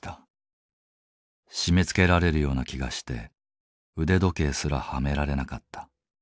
締めつけられるような気がして腕時計すらはめられなかった。